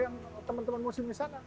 yang teman teman muslim disana